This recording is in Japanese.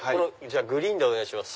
グリーンでお願いします。